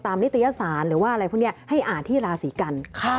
ตามนิตยสารหรือว่าอะไรเขาอ่านที่ลาศีกัณฐ์